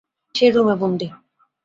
সে রুমে বন্দী।